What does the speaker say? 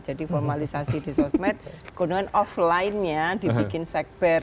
jadi formalisasi di sosmed kemudian offline nya dibikin segbar